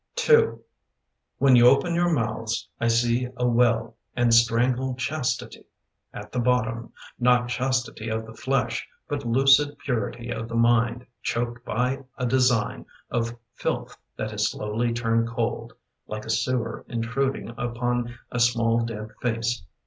II ^V HEN you open your mouths I see a well, and strangled chastity At the bottom — not chastity Of the flesh, but lucid purity Of the mind choked by a design Of filth that has slowly turned cold, Like a sewer intruding Upon a small, dead face.